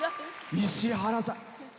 石原さん。